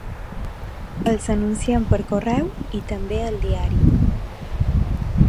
Els anunciem per correu i també al diari.